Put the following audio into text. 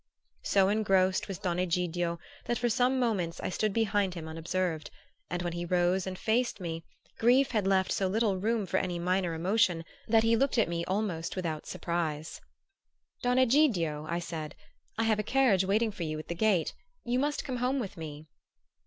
_ So engrossed was Don Egidio that for some moments I stood behind him unobserved; and when he rose and faced me, grief had left so little room for any minor emotion that he looked at me almost without surprise. "Don Egidio," I said, "I have a carriage waiting for you at the gate. You must come home with me."